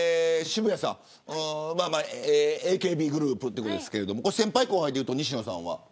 渋谷さん、ＡＫＢグループということですが先輩、後輩というと西野さんは。